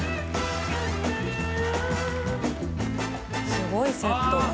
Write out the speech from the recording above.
すごいセット。